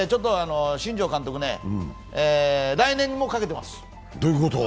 新庄監督、来年に僕、かけてます。